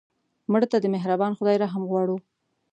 مړه ته د مهربان خدای رحم غواړو